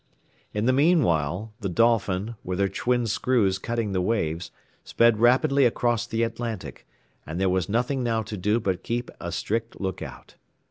In the meanwhile the Dolphin, with her twin screws cutting the waves, sped rapidly across the Atlantic, and there was nothing now to do but keep a strict look out.